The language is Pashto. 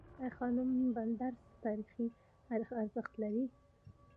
ای خانم بندر څه تاریخي ارزښت لري؟